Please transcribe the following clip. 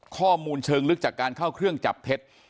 ข้อมูลเชิงลึกจากการเข้าเครื่องจับเท็จ